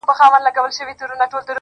چې مې د پېغلو د سرونو لوپټې تختوي